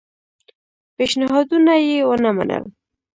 پېشنهادونه یې ونه منل.